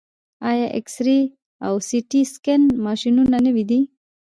آیا اکسرې او سټي سکن ماشینونه نوي دي؟